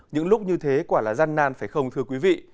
những lúc như thế quả là gian nan phải không thưa quý vị